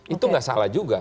itu nggak salah juga